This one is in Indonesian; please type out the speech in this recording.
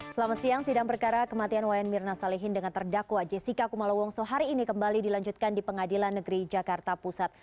selamat siang sidang perkara kematian wayan mirna salihin dengan terdakwa jessica kumala wongso hari ini kembali dilanjutkan di pengadilan negeri jakarta pusat